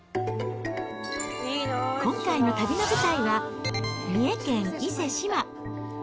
今回の旅の舞台は、三重県伊勢志摩。